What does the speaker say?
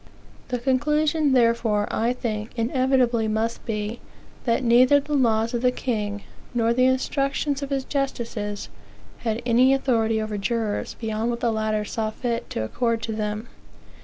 The conclusion, therefore, I think, inevitably must be, that neither the laws of the king, nor the instructions of his justices, had any authority over jurors beyond what the latter saw fit to accord to them.